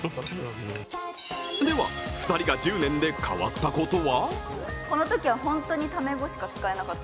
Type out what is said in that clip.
では、２人が１０年で変わったことは？